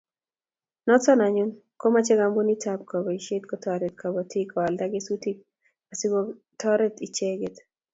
Noto anyun komochei kampunitab kobotisiet kotoret kobotik koalda kesutik asikotoret icheget